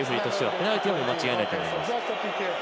ペナルティは間違いないと思います。